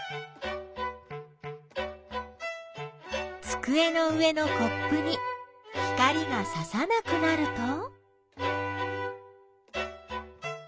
つくえの上のコップに光がささなくなると。